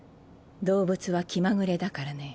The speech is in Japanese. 動物は気まぐれだからね。